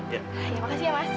ya makasih ya mas